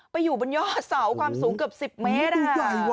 ไปอยู่บนเยาะสาวความสูงกันสิบเมตร